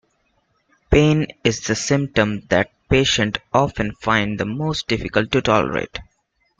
Pain is the symptom that patients often find the most difficult to tolerate.